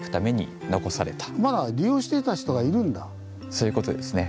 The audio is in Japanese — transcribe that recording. そういうことですね。